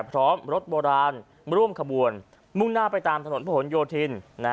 พร้อมรถโบราณร่วมขบวนมุ่งหน้าไปตามถนนผนโยธิน